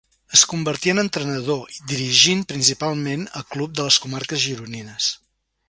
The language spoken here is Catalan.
Es convertí en entrenador, dirigint principalment a club de les comarques gironines.